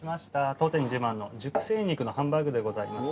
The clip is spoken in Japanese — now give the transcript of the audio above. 当店自慢の熟成肉のハンバーグでございます。